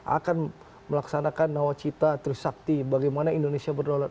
akan melaksanakan nawacita trusakti bagaimana indonesia berdolat